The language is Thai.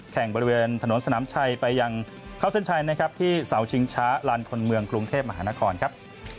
แข่งบริเวณถนนสนามชัยไปยังเข้าเส้นชัยนะครับที่เสาชิงช้าลานคนเมืองกรุงเทพมหานครครับ